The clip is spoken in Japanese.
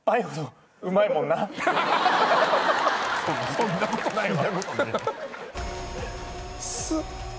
そんなことないわ。